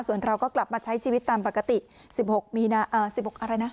ส่วนเราก็กลับมาใช้ชีวิตตามปกติสิบหกมีนะเอ่อสิบหกอะไรนะ